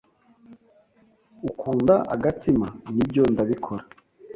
"Ukunda agatsima?" "Nibyo, ndabikora."